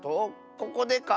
ここでか？